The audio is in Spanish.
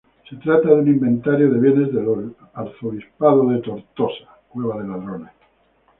Se trata de un inventario de bienes del obispo de Tortosa.